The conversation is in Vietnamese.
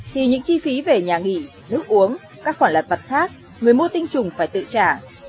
thì những chi phí về nhà nghỉ nước uống các khoản lật vật khác người mua tinh trùng phải tự trả